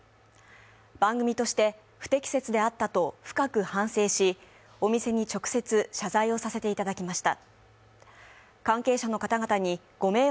番組として不適切であったと深く反省しお店に直接謝罪をさせていただきました。